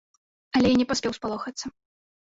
Але я не паспеў спалохацца.